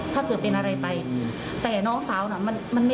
มาหาเวลาแล้ว